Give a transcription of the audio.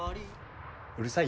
うるさい？